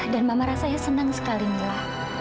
dan mama rasanya senang sekali mila